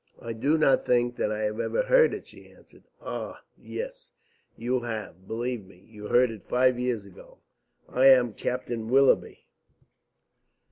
"I do not think that I have ever heard it," she answered. "Oh, yes, you have, believe me. You heard it five years ago. I am Captain Willoughby."